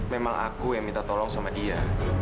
memang aku yang minta tolong sama dia